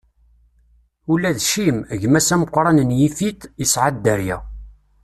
Ula d Cim, gma-s ameqran n Yifit, isɛa dderya.